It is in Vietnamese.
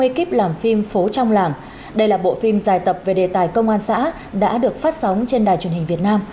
trong ekip làm phim phố trong làng đây là bộ phim dài tập về đề tài công an xã đã được phát sóng trên đài truyền hình việt nam